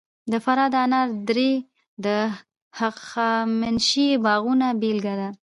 د فراه د انار درې د هخامنشي باغونو بېلګه ده